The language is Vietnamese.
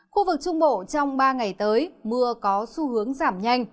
khu vực trung bộ trong ba ngày tới mưa có xu hướng giảm nhanh